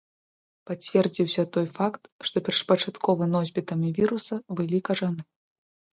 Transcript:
Пацвердзіўся той факт, што першапачаткова носьбітамі віруса былі кажаны.